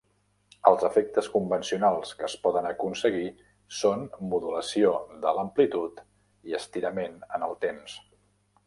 Els efectes convencionals que es poden aconseguir són modulació de l'amplitud i estirament en el temps.